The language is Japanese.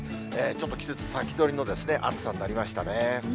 ちょっと季節先取りの暑さになりましたね。